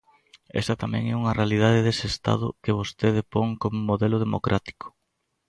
Esa tamén é unha realidade dese Estado que vostede pon como modelo democrático.